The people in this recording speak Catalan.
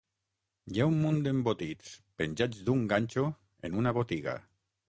Hi ha un munt d'embotits penjats d'un ganxo en una botiga.